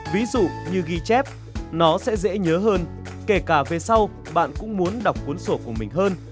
ví dụ như ghi chép nó sẽ dễ nhớ hơn kể cả về sau bạn cũng muốn đọc cuốn sổ của mình hơn